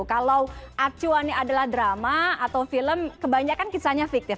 kalau acuannya adalah drama atau film kebanyakan kisahnya fiktif